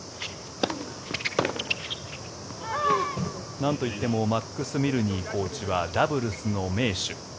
なんといってもマックス・ミルヌイコーチはダブルスの名手。